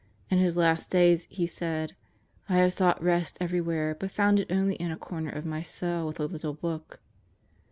In his last days he said: 'I have sought rest every where, but found it only in a corner of my cell with a little book.'